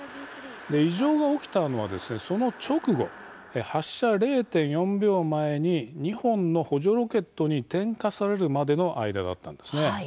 異常が起きたのは、その直後発射０．４秒前に２本の補助ロケットに点火されるまでの間だったんです。